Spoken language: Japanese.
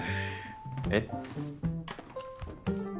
えっ？